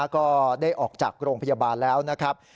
ก็ได้ออกจากโรงพยาบาลแล้วนะครับ